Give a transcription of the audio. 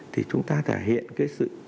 thì chúng ta thể hiện cái sự